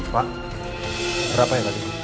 pak berapa yang tadi